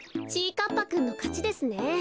かっぱくんのかちですね。